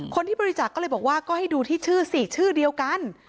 คนที่บริจาคก็เลยบอกว่าก็ให้ดูที่ชื่อ๔ชื่อเดียวกัน